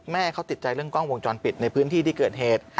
แม่เขาติดใจเรื่องกล้องวงจรปิดในพื้นที่ที่เกิดเหตุ